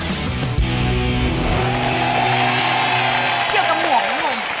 เกี่ยวกับหมวกนะคุณ